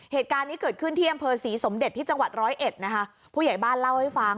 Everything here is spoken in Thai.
เหตุการณ์นี้เกิดขึ้นที่อำเภอศรีสมเด็จที่จังหวัดร้อยเอ็ดนะคะผู้ใหญ่บ้านเล่าให้ฟัง